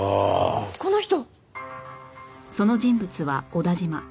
この人！